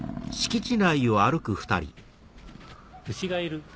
牛がいる。